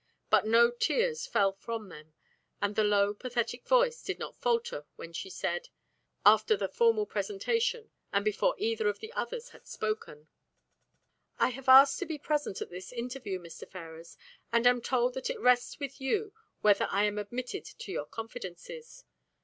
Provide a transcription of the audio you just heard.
But no tears fell from them, and the low pathetic voice did not falter when she said, after the formal presentation, and before either of the others had spoken: "I have asked to be present at this interview, Mr. Ferrars, and am told that it rests with you whether I am admitted to your confidences.